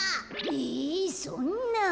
えそんな。